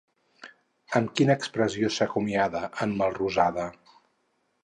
Amb quina expressió s'acomiada en Melrosada?